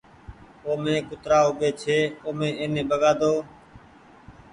مينٚ ڪترآ اوٻي ڇي اومي ايني ٻگآۮو